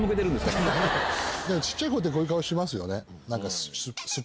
小っちゃい子ってこういう顔しますよね。